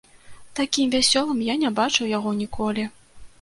Такім вясёлым я не бачыў яго ніколі.